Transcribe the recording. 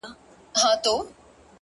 كه بې وفا سوې گراني ـ